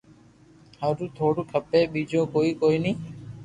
ھارو ٿوڙو کپي ٻيجو ڪوئي ڪوئي ني